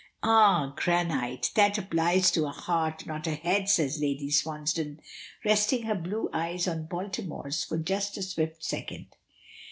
"Ah, granite! that applies to a heart not a head," says Lady Swansdown, resting her blue eyes on Baltimore's for just a swift second.